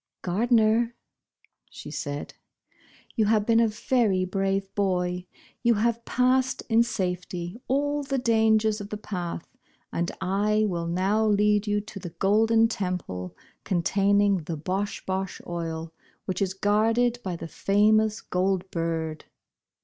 "Gardner," said she, "you have been a very brave boy. You have passed in safety all the dangers of the path, and I will now lead you to the Golden Temple, containing the Bosh Bosh Oil, which is guarded by the famous Gold Bird."